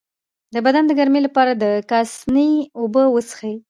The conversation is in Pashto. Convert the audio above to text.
د بدن د ګرمۍ لپاره د کاسني اوبه وڅښئ